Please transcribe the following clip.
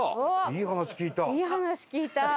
いい話聞いた。